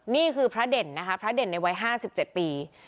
นี่คือพระเด่นนะคะพระเด่นในวัย๕๗ปี